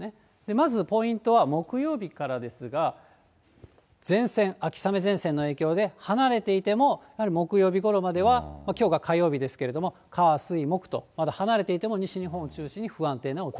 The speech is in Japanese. まずポイントは木曜日からですが、前線、秋雨前線の影響で、離れていても、やはり木曜日ごろまでは、きょうが火曜日ですけれども、火、水、木と、まだ離れていても西日本を中心に不安定なお天気。